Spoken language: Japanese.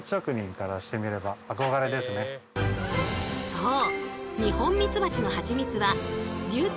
そう！